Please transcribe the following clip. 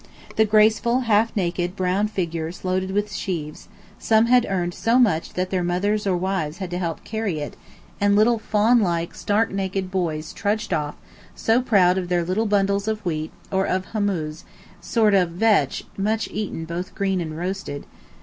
The graceful, half naked, brown figures loaded with sheaves; some had earned so much that their mothers or wives had to help to carry it, and little fawn like, stark naked boys trudged off, so proud of their little bundles of wheat or of hummuz (a sort of vetch much eaten both green and roasted).